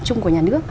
chung của nhà nước